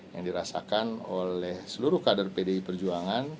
yang dirasakan oleh seluruh kader pdi perjuangan